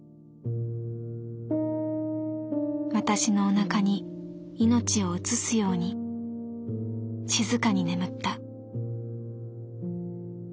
私のお腹に命を移すように静かに眠った」。